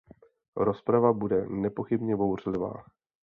Rozprava bude nepochybně bouřlivá.